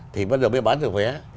thì bắt đầu mới bán được vé